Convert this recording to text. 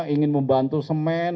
ingin membantu semen